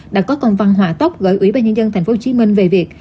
đã có công văn hòa tóc gửi ủy ban nhân dân tp hcm về việc